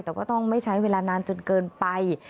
แต่ก็ต้องไม่ใช้เวลานานจนเกินไป